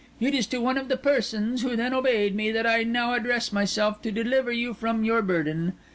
It is to one of the persons who then obeyed me that I now address myself to deliver you from your burden.